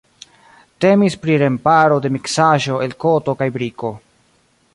Temis pri remparo de miksaĵo el koto kaj briko.